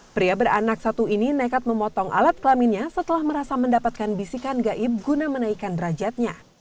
pria beranak satu ini nekat memotong alat kelaminnya setelah merasa mendapatkan bisikan gaib guna menaikkan derajatnya